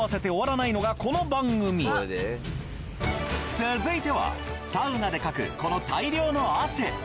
続いてはサウナでかくこの大量の汗。